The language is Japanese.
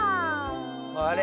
あれ？